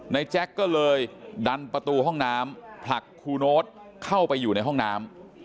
แจ๊กก็เลยดันประตูห้องน้ำผลักครูโน๊ตเข้าไปอยู่ในห้องน้ำ